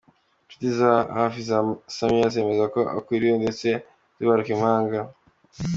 Inshuti za hafi za Samira zemeza ko akuriwe ndetse azibaruka impanga.